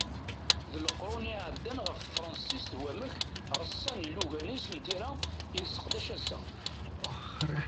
D leqrun i iεeddan ɣef tefransist d wamek reṣṣan ilugan-is n tira i nesseqdac ass-a.